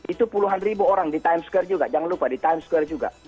itu puluhan ribu orang di times square juga jangan lupa di times square juga